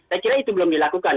saya kira itu belum dilakukan